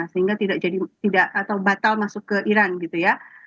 sehingga tidak jadi tidak atau batal masuk ke iran gitu ya